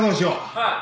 はい。